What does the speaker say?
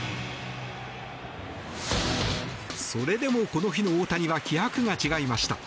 それでも、この日の大谷は気迫が違いました。